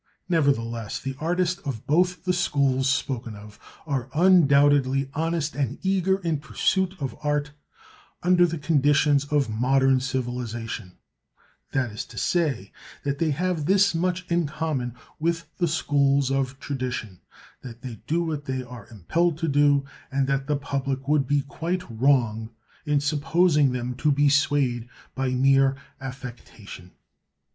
Nevertheless the artists of both the schools spoken of are undoubtedly honest and eager in pursuit of art under the conditions of modern civilisation; that is to say, that they have this much in common with the schools of tradition, that they do what they are impelled to do, and that the public would be quite wrong in supposing them to be swayed by mere affectation.